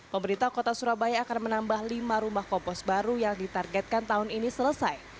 pemerintah kota surabaya akan menambah lima rumah kompos baru yang ditargetkan tahun ini selesai